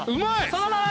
そのまま。